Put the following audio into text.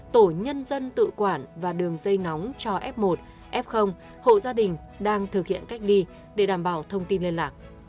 tổ nhân dân tự quản và đường dây nóng cho f một f hộ gia đình đang thực hiện cách ly để đảm bảo thông tin liên lạc